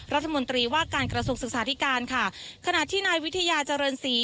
รัฐมนตรีว่าการกระทรวงศึกษาธิการค่ะขณะที่นายวิทยาเจริญศรี